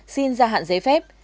xin gia hạn giấy phép